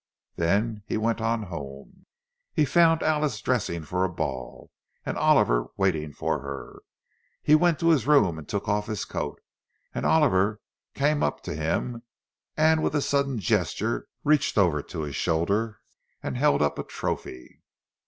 Then he went on home. He found Alice dressing for a ball, and Oliver waiting for her. He went to his room, and took off his coat; and Oliver came up to him, and with a sudden gesture reached over to his shoulder, and held up a trophy.